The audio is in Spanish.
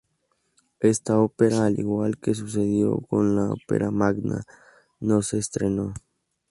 Esta ópera, al igual que sucedió con la ópera "Magda" no se estrenó.